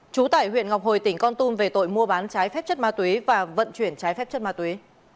trú tại huyện ngọc hồi tỉnh con tum về tội mua bán trái phép chất ma túy và vận chuyển trái phép chất ma túy